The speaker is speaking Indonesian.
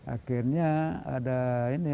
akhirnya ada ini